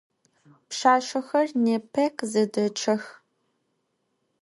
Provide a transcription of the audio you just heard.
Pşsaşsexer nêpe khızedeççex.